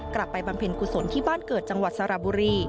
บำเพ็ญกุศลที่บ้านเกิดจังหวัดสระบุรี